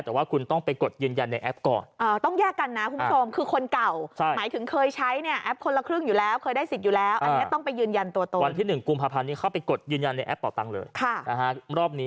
แต่ว่าคุณต้องไปกดยืนยันในแอปก่อน